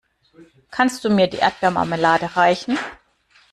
Kannst du mir die Erdbeermarmelade reichen?